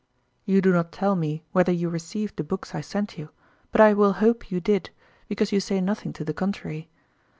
You do not tell me whether you received the books I sent you, but I will hope you did, because you say nothing to the contrary.